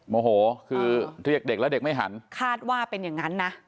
โมโหคือเรียกเด็กแล้วเด็กไม่หันคาดว่าเป็นอย่างนั้นนะ